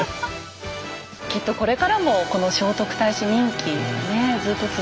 きっとこれからもこの聖徳太子人気ねずっと続いてくんでしょうね。